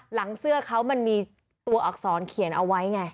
หลังเสื้อเขามันมีตัวอักษรเขียนเอาไว้ไง